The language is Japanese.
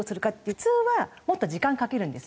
普通はもっと時間かけるんです。